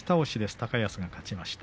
高安が勝ちました。